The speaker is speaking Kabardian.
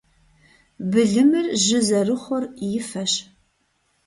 Былымыр жьы зэрыхъур и фэщ.